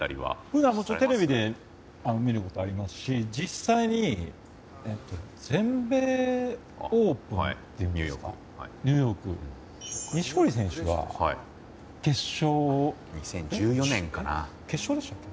ふだん、テレビで見ることはありますし、実際に全米オープンというんですか、ニューヨーク、錦織選手が決勝でしたっけ？